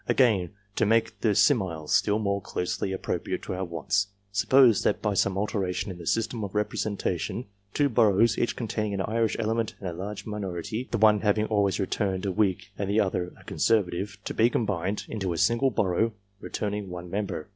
^ Again, to make the simile still more closely appropriate to our wants, suppose that by some alteration in the system of representation, two boroughs, each con taining an Irish element in a large minority, the one having always returned a Whig and the other a Conservative, to be combined into a single borough returning one member.